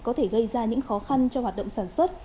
có thể gây ra những khó khăn cho hoạt động sản xuất